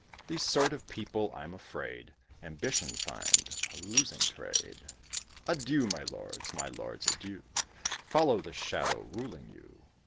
These sort of people, I'm afraid, Ambition find a losing trade. Adieu, my lords; my lords, adieu; Follow the shadow ruling you.